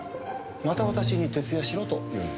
また私に徹夜しろと言うのですか？